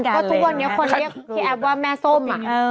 แล้วทุกวันอย่างะฮะพี่แอฟที่แม่โซ่ม